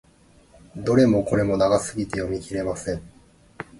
どれもこれも長すぎて読み切れません。